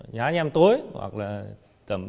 nhá nhem tối hoặc là